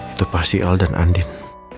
itu pasti al dan adit